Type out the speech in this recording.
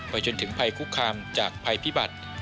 จนถึงภัยคุกคามจากภัยพิบัติ